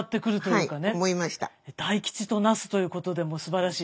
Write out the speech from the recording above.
大吉と成すということでもうすばらしい。